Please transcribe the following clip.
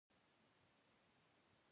زه د خپلو خوښې فلمونو کلک مینهوال یم.